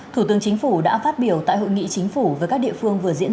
thủ tướng chính phủ đã phát biểu tại hội nghị chính phủ với các địa phương vừa diễn